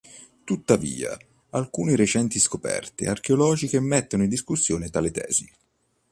Tuttavia, alcune recenti scoperte archeologiche mettono in discussione tale tesi.